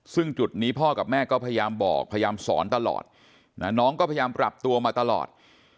ซึ่งจุดนี้พ่อกับแม่ก็พยายามบอกพยายามสอนตลอดน้องก็พยายามปรับตัวมาตลอด